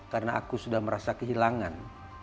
karena aku sudah merasa kehilangan